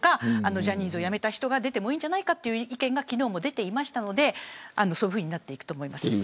ジャニーズを辞めた人が出てもいいんじゃないかという意見が昨日も出ていましたのでそういうふうになっていくと思います。